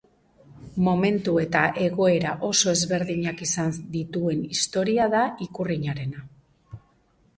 Momentu eta egoera oso ezberdinak izan dituen historia da ikurrinarena.